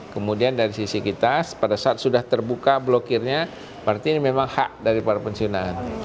kemudian dari sisi kita pada saat sudah terbuka blokirnya berarti ini memang hak dari para pensiunan